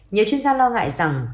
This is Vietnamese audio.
nhiều chuyên gia lo ngại rằng